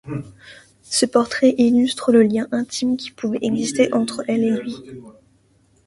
Ce portrait illustre le lien intime qui pouvait existé entre elle et lui.